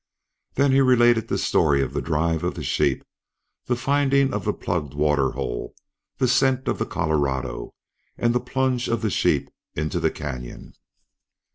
Then he related the story of the drive of the sheep, the finding of the plugged waterhole, the scent of the Colorado, and the plunge of the sheep into the canyon.